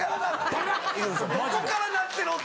どこから鳴ってる音。